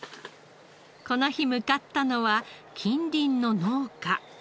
この日向かったのは近隣の農家。